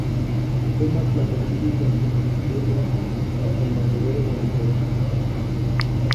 Thomas la persigue con su motosierra hasta el matadero donde trabajaba.